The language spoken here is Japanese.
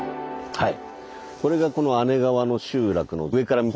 はい。